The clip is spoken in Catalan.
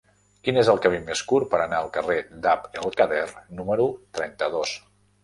Quin és el camí més curt per anar al carrer d'Abd el-Kader número trenta-dos?